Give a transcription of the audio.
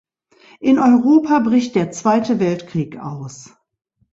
In Europa bricht der Zweite Weltkrieg aus.